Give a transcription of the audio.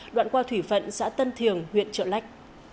đoạn qua thủy phận xã tân thiềng huyện trợ lách